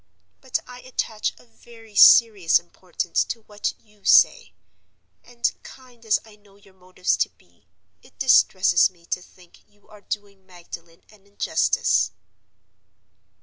But I attach a very serious importance to what you say; and, kind as I know your motives to be, it distresses me to think you are doing Magdalen an injustice.